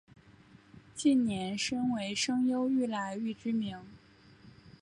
近年身为声优愈来愈知名。